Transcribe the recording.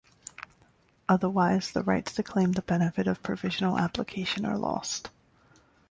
Otherwise, the rights to claim the benefit of provisional application are lost.